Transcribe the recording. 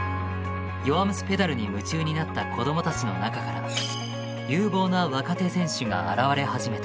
「弱虫ペダル」に夢中になった子供たちの中から有望な若手選手が現れ始めた。